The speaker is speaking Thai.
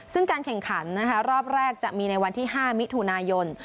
ซึ่งการแข่งขันรอบแรกจะมีในวันที่๕มิถุนายน